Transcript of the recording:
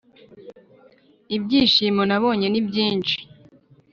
ibyishimo nabonye nibyinshi